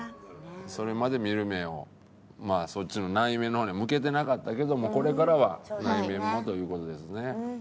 それまで見る目をまあそっちの内面の方に向けてなかったけどもこれからは内面もという事ですね。